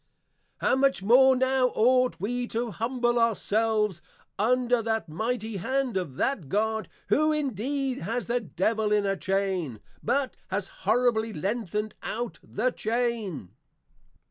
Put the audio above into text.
_ How much more now ought we to humble our selves under that Mighty Hand of that God who indeed has the Devil in a Chain, but has horribly lengthened out the Chain!